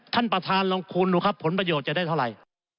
ท่านประธานลองคูณดูครับผลประโยชน์จะได้เท่าไหร่